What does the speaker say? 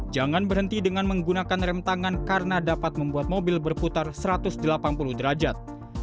jangan berhenti dengan menggunakan rem tangan karena dapat membuat mobil berputar satu ratus delapan puluh derajat